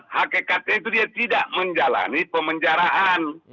hakikatnya itu dia tidak menjalani pemenjaraan